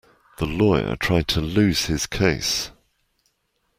The lawyer tried to lose his case.